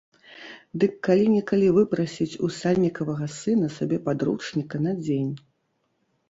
Дык калі-нікалі выпрасіць у сальнікавага сына сабе падручніка на дзень.